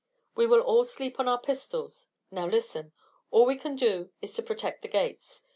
"We will all sleep on our pistols. Now listen. All we can do is to protect the gates.